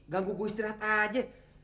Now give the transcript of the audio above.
ganggu istirahat aja